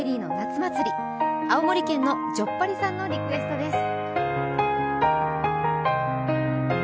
青森県のじょっぱりさんのリクエストです。